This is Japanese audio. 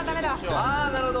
あなるほど！